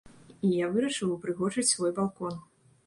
І я вырашыў упрыгожыць свой балкон.